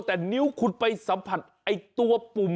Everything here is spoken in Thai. แต่นิ้วคุณไปสัมผัสไอ้ตัวปุ่ม